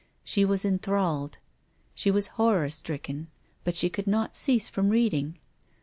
She was enthralled. She was horror stricken. But she could not cease from reading.